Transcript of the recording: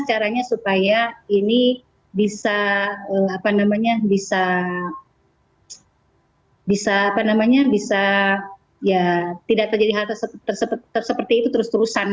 caranya supaya ini bisa apa namanya bisa bisa apa namanya bisa ya tidak terjadi hal tersebut seperti itu terus terusan gitu baik baik terima kasih bu rina